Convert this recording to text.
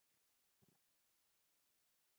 应有半数以上委员出席